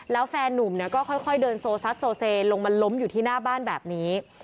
แล้วแฟนนุ่มเนี่ยก็ค่อยเดินโซซัดโซเซลงมาล้มอยู่ที่หน้าบ้านแบบนี้